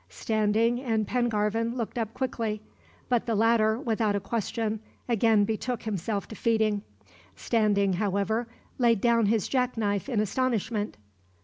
Standing and Pengarvan looked up quickly; but the latter, without a question, again betook himself to feeding. Standing, however, laid down his jackknife in astonishment.